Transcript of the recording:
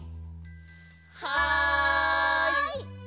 はい！